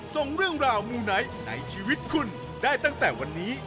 ส่งเรื่องราวมูไนท์ในชีวิตคุณได้ตั้งแต่วันนี้